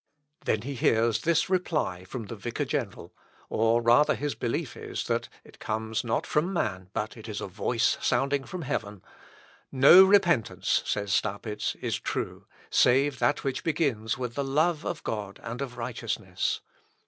Then he hears this reply from the vicar general, or rather his belief is, that it comes not from man, but is a voice sounding from heaven. "No repentance," says Staupitz, "is true, save that which begins with the love of God and of righteousness.